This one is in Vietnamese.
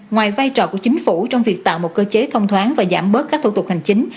ngoài vai trò của chính phủ trong việc tạo một cơ chế thông thoáng và giảm bớt các thủ tục hành chính